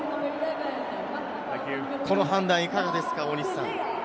この判断いかがですか？